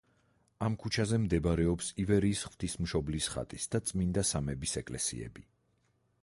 ამ ქუჩაზე მდებარეობს ივერიის ღვთისმშობლის ხატის და წმინდა სამების ეკლესიები.